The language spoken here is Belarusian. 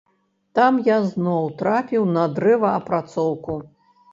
Там я зноў трапіў на дрэваапрацоўку.